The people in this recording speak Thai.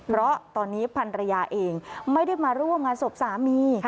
เพราะตอนนี้พันรยาเองไม่ได้มาร่วมงานศพสามี